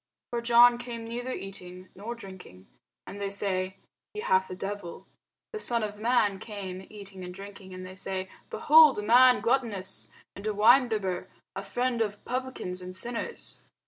For John came neither eating nor drinking, and they say, He hath a devil. The Son of man came eating and drinking, and they say, Behold a man gluttonous, and a winebibber, a friend of publicans and sinners.